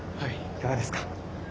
いかがですか？